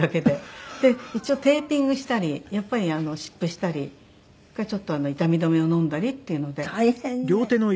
一応テーピングしたりやっぱり湿布したりちょっと痛み止めを飲んだりっていうので。